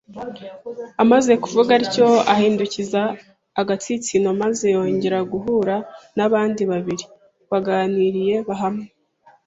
Amaze kuvuga atyo, ahindukiza agatsinsino maze yongera guhura n'abandi babiri. Baganiriye hamwe